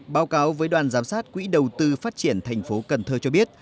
báo cáo với đoàn giám sát quỹ đầu tư phát triển thành phố cần thơ cho biết